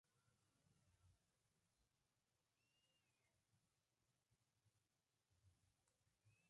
Mientras que su densidad poblacional es de unos diecisiete habitantes por cada kilómetro cuadrado.